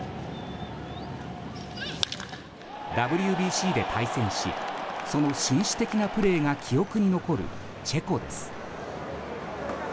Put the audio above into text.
ＷＢＣで対戦しその紳士的なプレーが記憶に残るチェコです。